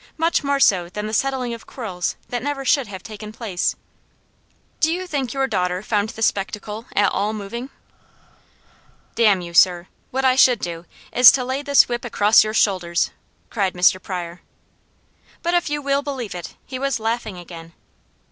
Much more so than the settling of quarrels that never should have taken place. Do you think your daughter found the spectacle at all moving?" "Damn you, sir, what I should do, is to lay this whip across your shoulders!" cried Mr. Pryor. But if you will believe it, he was laughing again.